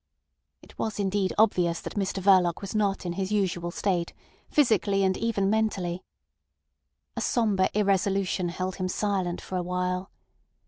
It was indeed obvious that Mr Verloc was not in his usual state, physically and even mentally. A sombre irresolution held him silent for a while.